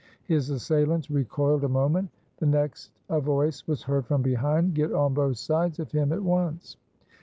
His assailants recoiled a moment. The next a voice was heard from behind, "Get on both sides of him at once!"